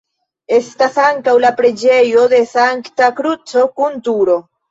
Estas ankaŭ la preĝejo de Sankta Kruco kun turo.